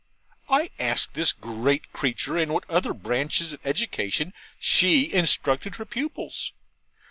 I asked this great creature in what other branches of education she instructed her pupils?